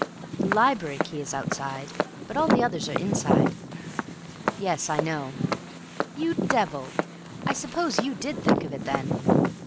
The library key is outside, but all the others are inside." "Yes, I know." "You devil, I suppose you did think of it, then?"